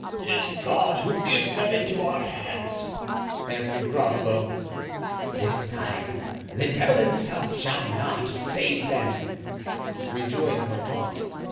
"'Tis God who gives them into our hands," answered Groslow. "This time the devil himself shall not save them," rejoined Mordaunt.